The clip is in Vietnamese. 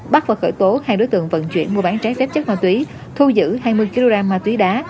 bắt và khởi tố hai đối tượng vận chuyển mua bán trái phép chất ma túy thu giữ hai mươi kg ma túy đá